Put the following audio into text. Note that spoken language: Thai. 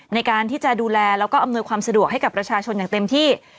ในการที่จะดูแลแล้วก็อำนวยความสะดวกให้กับประชาชนอย่างเต็มที่